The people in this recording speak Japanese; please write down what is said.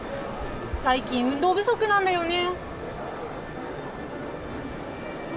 最近、運動不足なのよね。